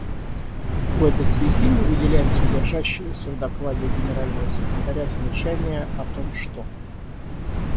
В этой связи мы выделяем содержащееся в докладе Генерального секретаря замечание о том, что.